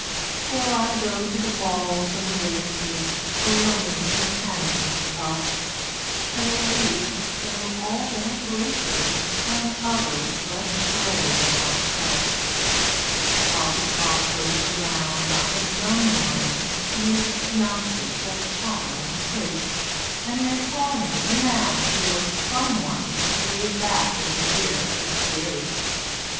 For I go to the balls and the races A lonely companionless elf, And the ladies bestow all their graces On others less grey than myself; While the talk goes around I'm a dumb one 'Midst youngsters that chatter and prate, And they call me 'the Man who was Someone Way back in the year Sixty eight.'